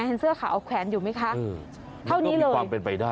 เห็นเสื้อขาวออกแขวนอยู่ไหมคะ